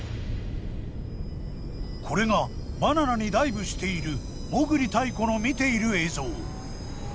これがバナナにダイブしている裳繰泰子の見ている映像。